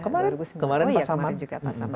kemarin kemarin pasaman